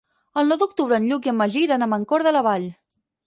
El nou d'octubre en Lluc i en Magí iran a Mancor de la Vall.